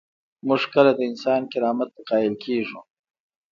موږ کله د انسان کرامت ته قایل کیږو؟